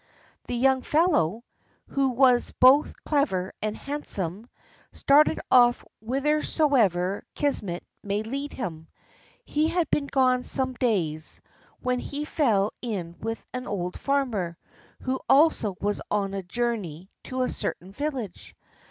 The young fellow, who was both clever and handsome, started off whithersoever Kismet might lead him. He had been gone some days, when he fell in with an old farmer, who also was on a journey to a certain village.